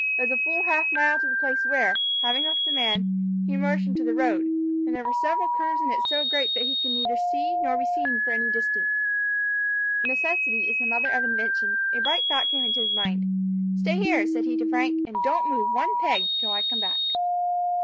It was a full half mile to the place where, having left the man, he emerged into the road; and there were several curves in it so great that he could neither see nor be seen for any distance. Necessity is the mother of invention. A bright thought came into his mind. "Stay here," said he to Frank, "and don't move one peg till I come back."